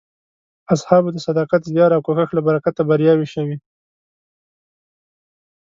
اصحابو د صداقت، زیار او کوښښ له برکته بریاوې شوې.